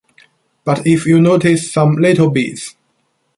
But if you notice some little beats.